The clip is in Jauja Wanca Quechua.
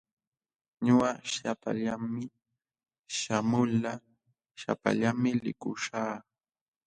Ñuqa shapallaami shamulqaa, shapallaami likuśhaq.